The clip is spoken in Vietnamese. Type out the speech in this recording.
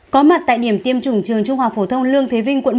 có mặt tại điểm tiêm trùng trường trung học phổ thông lương thế vinh quận một